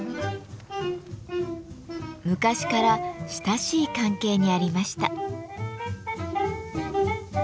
昔から親しい関係にありました。